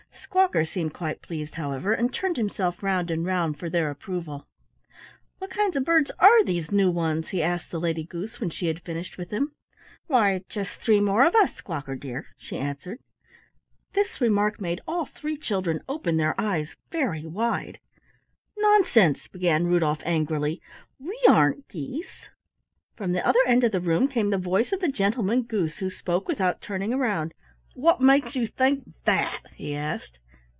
Squawker seemed quite pleased, however, and turned himself round and round for their approval. "What kind of birds are these new ones?" he asked the Lady Goose when she had finished with him. "Why just three more of us, Squawker, dear," she answered. This remark made all three children open their eyes very wide. "Nonsense," began Rudolf angrily, "we aren't geese!" From the other end of the room came the voice of the Gentleman Goose, who spoke without turning round. "What makes you think that?" he asked.